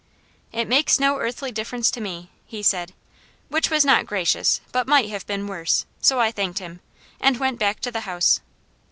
"'It makes no earthly difference to me,' he said, which was not gracious, but might have been worse, so I thanked him, and went back to the house.